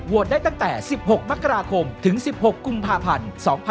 ได้ตั้งแต่๑๖มกราคมถึง๑๖กุมภาพันธ์๒๕๖๒